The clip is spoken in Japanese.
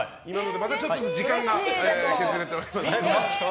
まだちょっと時間が削れております。